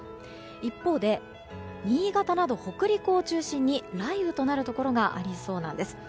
一方で、新潟など北陸を中心に雷雨となるところがありそうなんです。